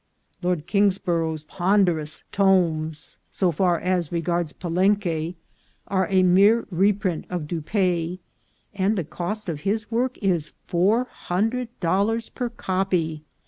Lord Kingsborough's ponderous tomes, so far as re gards Palenque, are a mere reprint of Dupaix, and the cost of his work is four hundred dollars per copy.